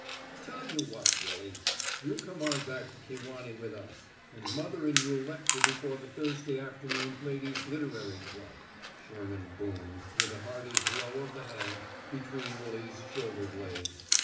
"Tell you what, Willy: you come on back to Kewanee with us, and mother and you'll lecture before the Thursday Afternoon Ladies' Literary Club," Sherman boomed, with a hearty blow of the hand between Willy's shoulder blades.